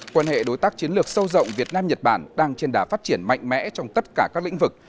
quan hệ đối tác chiến lược sâu rộng việt nam nhật bản đang trên đà phát triển mạnh mẽ trong tất cả các lĩnh vực